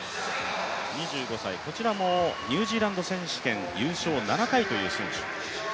こちらもニュージーランド選手権優勝７回という選手。